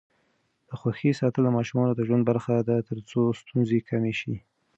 د خوښۍ ساتل د ماشومانو د ژوند برخه ده ترڅو ستونزې کمې شي.